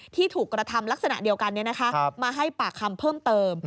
ที่ถูกกระทำลักษณะเดียวกันมาให้ปากคำเพิ่มเติม